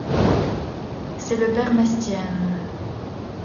C'est le père Mestienne.